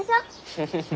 フフフ。